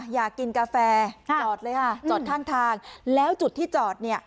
อยากกินกาแฟจอดเลยค่ะจอดข้างทางแล้วจุดที่จอดเนี่ย